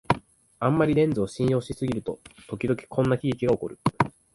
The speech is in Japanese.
あんまりレンズを信用しすぎると、ときどきこんな喜劇がおこる